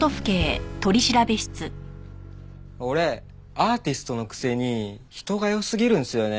俺アーティストのくせに人が良すぎるんすよね。